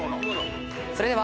それでは。